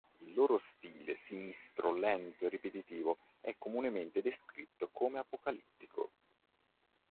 Il loro stile sinistro, lento e ripetitivo è comunemente descritto come "apocalittico".